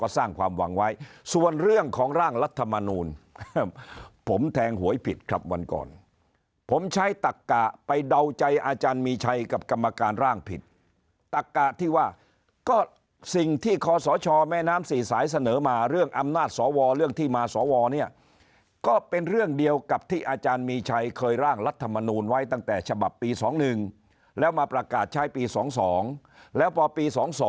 สร้างความหวังไว้ส่วนเรื่องของร่างรัฐมนูลผมแทงหวยผิดครับวันก่อนผมใช้ตักกะไปเดาใจอาจารย์มีชัยกับกรรมการร่างผิดตักกะที่ว่าก็สิ่งที่คอสชแม่น้ำสี่สายเสนอมาเรื่องอำนาจสวเรื่องที่มาสวเนี่ยก็เป็นเรื่องเดียวกับที่อาจารย์มีชัยเคยร่างรัฐมนูลไว้ตั้งแต่ฉบับปี๒๑แล้วมาประกาศใช้ปี๒๒แล้วพอปี๒๒